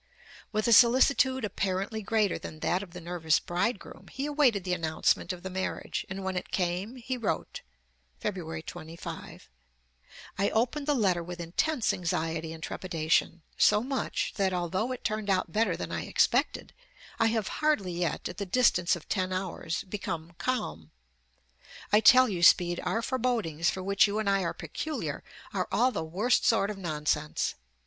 With a solicitude apparently greater than that of the nervous bridegroom, he awaited the announcement of the marriage, and when it came he wrote (February 25): "I opened the letter with intense anxiety and trepidation; so much that, although it turned out better than I expected, I have hardly yet, at the distance of ten hours, become calm. I tell you, Speed, our forebodings, for which you and I are peculiar, are all the worst sort of nonsense.